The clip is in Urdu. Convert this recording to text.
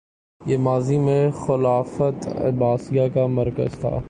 یہ ماضی میں خلافت عباسیہ کا مرکز تھا